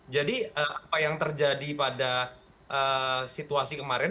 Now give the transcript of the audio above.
jadi apa yang terjadi pada situasi kemarin